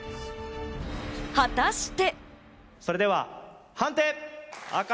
果たして？